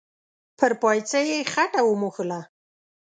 پر پايڅه يې خټه و موښله.